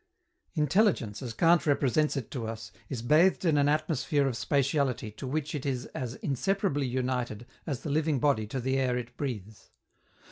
Intelligence, as Kant represents it to us, is bathed in an atmosphere of spatiality to which it is as inseparably united as the living body to the air it breathes.